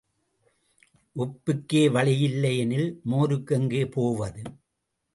உப்புக்கே வழியில்லை எனில், மோருக்கு எங்கே போவது?